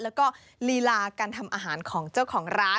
แล้วก็ลีลาการทำอาหารของเจ้าของร้าน